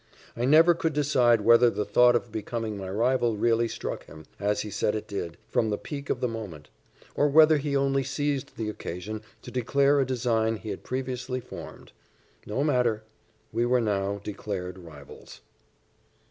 I never could decide whether the thought of becoming my rival really struck him, as he said it did, from the pique of the moment; or whether he only seized the occasion to declare a design he had previously formed: no matter we were now declared rivals.